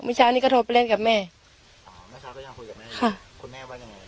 มีเช้านี้ก็โทรไปเล่นกับแม่อ๋อแม่ช้าก็ยังคุยกับแม่ค่ะ